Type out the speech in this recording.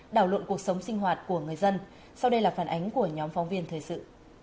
đảo lộn cuộc sống sinh hoạt của người dân sau đây là phản ánh của nhóm phóng viên thời sự